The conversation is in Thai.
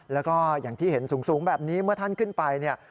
แล้วก็อย่างที่เห็นสูงแบบนี้เมื่อท่านขึ้นไปเนี่ย